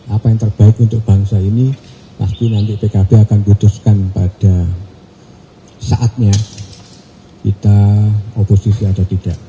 apa yang terbaik untuk bangsa ini pasti nanti pkb akan putuskan pada saatnya kita oposisi atau tidak